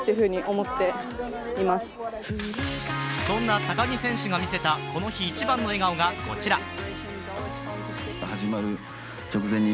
そんな高木選手が見せたこの日一番の笑顔がこちら。